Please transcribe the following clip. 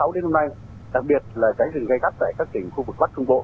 đặc biệt là cái rừng gây gắt tại các tỉnh khu vực bắc trung bộ